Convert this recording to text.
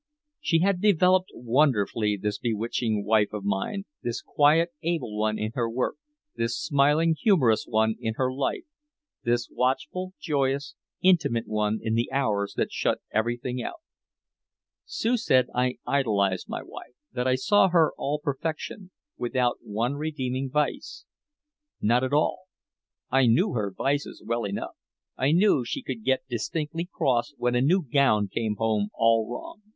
She had developed wonderfully, this bewitching wife of mine, this quiet able one in her work, this smiling humorous one in her life, this watchful, joyous, intimate one in the hours that shut everything out. Sue said I idolized my wife, that I saw her all perfection, "without one redeeming vice." Not at all. I knew her vices well enough. I knew she could get distinctly cross when a new gown came home all wrong.